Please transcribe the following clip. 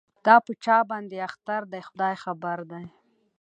دا په چا باندي اختر دی خداي خبر دی